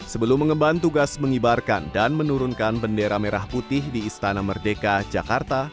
sebelum mengemban tugas mengibarkan dan menurunkan bendera merah putih di istana merdeka jakarta